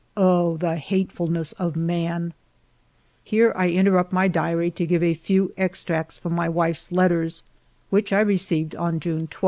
Oh, the hatefulness of man ! Here I Interrupt my diary to give a few ex tracts from my wife's letters, which I received on June 12.